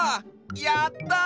やった！